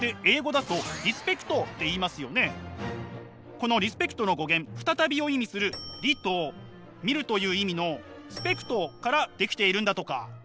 このリスペクトの語源再びを意味する「ｒｅ」と見るという意味の「ｓｐｅｃｔ」から出来ているんだとか。